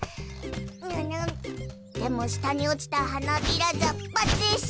ぬぬっでも下に落ちた花びらじゃばっちいし！